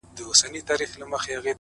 د انسانانو جهالت له موجه _ اوج ته تللی _